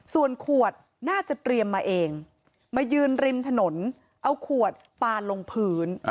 ส่วนขวดน่าจะเตรียมมาเองมายืนริมถนนเอาขวดปานลงพื้น